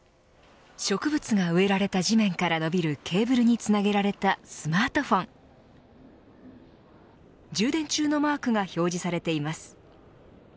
植物が植えられた地面から伸びるケーブルにつなげられたスマートフォン充電中のマークが表示されています。